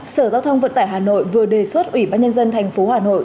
sở giao thông vận tải hà nội vừa đề xuất ủy ban nhân dân thành phố hà nội